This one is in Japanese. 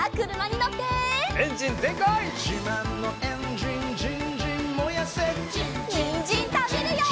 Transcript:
にんじんたべるよ！